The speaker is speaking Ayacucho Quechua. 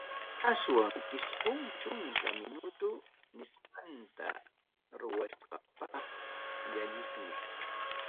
Aswan isqun chunka minuto nisqanta ruwaspaqa, llalliqmi.